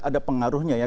ada pengaruhnya ya